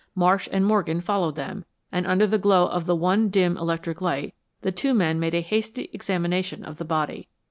Marsh and Morgan followed them, and under the glow of the one dim electric light, the two men made a hasty examination of the body.